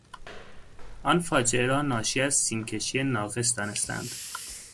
آن فاجعه را ناشی از سیمکشی ناقص دانستند.